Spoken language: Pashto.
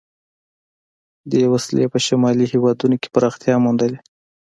دې وسیلې په شمالي هېوادونو کې پراختیا موندلې.